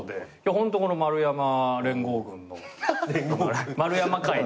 ホントこの丸山連合軍の丸山会の。